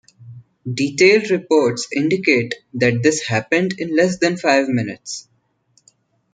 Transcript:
Detailed reports indicate that this happened in less than five minutes.